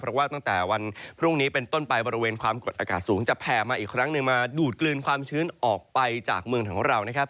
เพราะว่าตั้งแต่วันพรุ่งนี้เป็นต้นไปบริเวณความกดอากาศสูงจะแผ่มาอีกครั้งหนึ่งมาดูดกลืนความชื้นออกไปจากเมืองของเรานะครับ